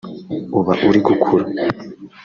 uba uri gukura